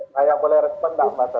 saya boleh respon mbak tante